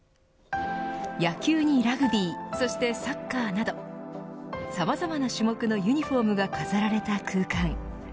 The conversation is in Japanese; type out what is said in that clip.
野球にラグビーそしてサッカーなどさまざまな種目のユニホームが飾られた空間。